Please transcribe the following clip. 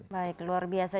baik luar biasa